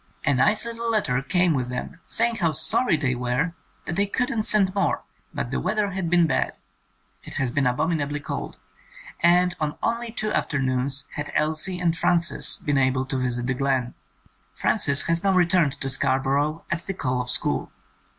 A nice little letter came with them saying how sorry they were (!) that they couldn't send more, but the weather had been bad (it has been abominably cold), and on only two afternoons had Elsie and Frances been able to visit the glen. (Frances has now re turned to Scarborough at the call of school.)